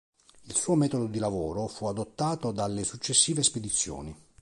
Il suo metodo di lavoro fu adottato dalle successive spedizioni.